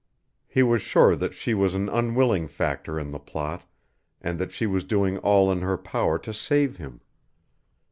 He was sure that she was an unwilling factor in the plot, and that she was doing all in her power to save him.